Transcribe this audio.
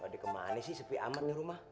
wadih kemana sih sepi amat nih rumah